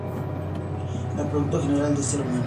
El productor general de "Ser humano!!